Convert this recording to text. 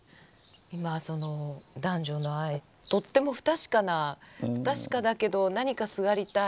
今はその男女の愛とっても不確かな不確かだけど何かすがりたい。